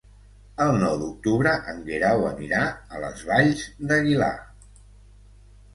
El nou d'octubre en Guerau anirà a les Valls d'Aguilar.